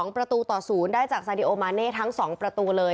ประตูต่อ๐ได้จากซาดิโอมาเน่ทั้ง๒ประตูเลย